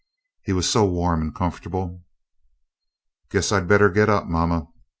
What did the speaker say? He was so warm and comfortable! "Guess I'd better get up, Mamma."